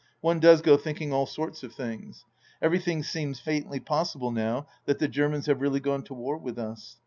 One does go thinking aU sorts of things. Everything seems faintly possible now that the Germans have really gone to war with us.